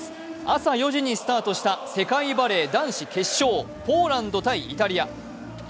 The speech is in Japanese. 朝４時にスタートした世界バレー男子決勝、ポーランド×イタリア。